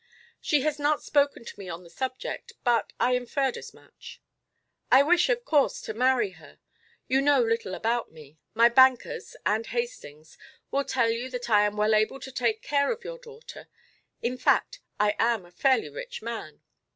"She has not spoken to me on the subject; but I inferred as much." "I wish, of course, to marry her. You know little about me. My bankers and Hastings will tell you that I am well able to take care of your daughter. In fact, I am a fairly rich man.